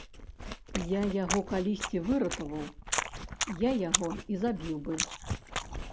Я яго калісьці выратаваў, я яго і забіў бы.